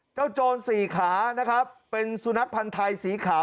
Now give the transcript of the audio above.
โจรสี่ขานะครับเป็นสุนัขพันธ์ไทยสีขาว